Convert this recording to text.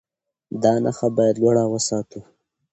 دا نښه باید لوړه وساتو.